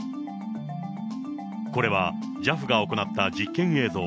これはＪＡＦが行った実験映像。